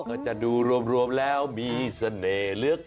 ก็จะดูรวมแล้วมีเสน่ห์ลึก